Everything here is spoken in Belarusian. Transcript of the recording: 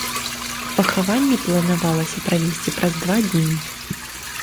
Пахаванне планавалася правесці праз два дні.